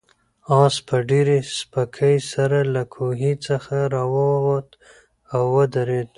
آس په ډېرې سپکۍ سره له کوهي څخه راووت او ودرېد.